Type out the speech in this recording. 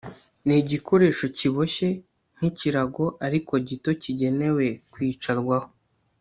ni igikoresho kiboshye nk'ikirago ariko gito kigenewe kwicarwaho